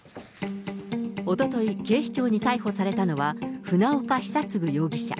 おととい、警視庁に逮捕されたのは、船岡久嗣容疑者。